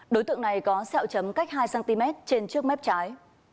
đối tượng này có xeo chấm cách hai cm trên trước mép trái